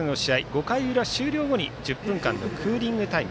５回裏終了後に１０分間のクーリングタイム。